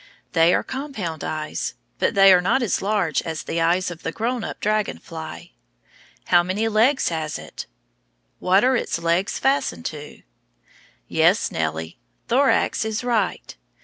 They are compound eyes, but they are not as large as the eyes of the grown up dragon fly. How many legs has it? What are its legs fastened to? Yes, Nellie, thorax is right.